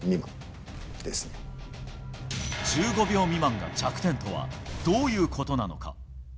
１５秒未満が弱点とはどういうことなのか。